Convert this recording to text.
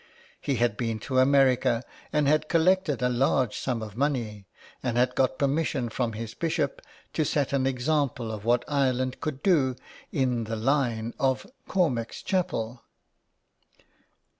He had been to America, and had collected a large sum of money, and had got permis sion from his Bishop to set an example of what Ireland could do " in the line" of Cormac's Chapel.